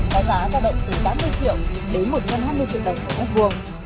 cái giá ra bệnh từ tám mươi triệu đến một trăm hai mươi triệu đồng một mét vuông